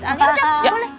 ya udah boleh